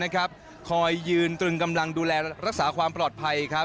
คอยยืนตรึงกำลังดูแลรักษาความปลอดภัยครับ